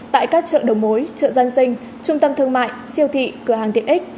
tại các chợ đầu mối chợ dân sinh trung tâm thương mại siêu thị cửa hàng tiện ích